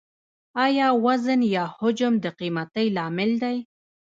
آیا وزن یا حجم د قیمتۍ لامل دی؟